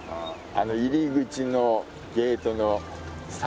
入り口のゲートの左右に。